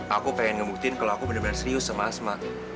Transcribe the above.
aku pengen ngebuktin kalau aku bener bener serius sama asma